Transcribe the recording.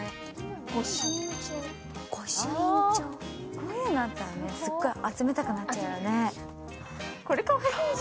こういうのがあると、すっごい集めたくなっちゃうよね。